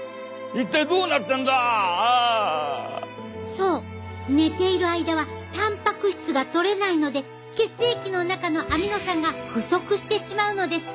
そう寝ている間はたんぱく質がとれないので血液の中のアミノ酸が不足してしまうのです。